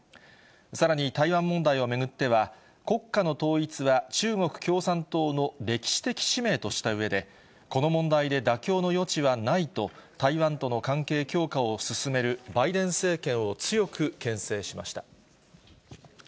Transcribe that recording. さらに台湾問題を巡っては、国家の統一は中国共産党の歴史的使命としたうえで、この問題で妥協の余地はないと、台湾との関係強化を進めるバイデン政権を強くけん制しました。